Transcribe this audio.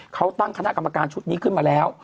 เขาตั้งคณะกรรมการชุดนี้ขึ้นมาแล้ว